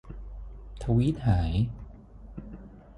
ทวีตหาย